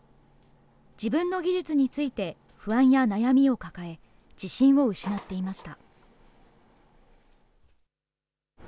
自分の技術について不安や悩みを抱え、自信を失っていました。